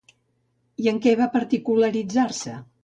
I en què va particularitzar-se?